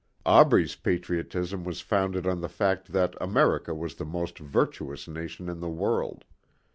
Aubrey's patriotism was founded on the fact that America was the most virtuous nation in the world.